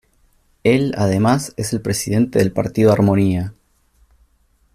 Él además es el presidente del Partido Armonía.